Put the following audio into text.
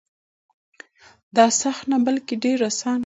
دا سخت نه بلکې ډېر اسان کار دی.